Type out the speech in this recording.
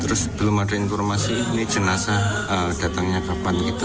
terus belum ada informasi ini jenazah datangnya kapan gitu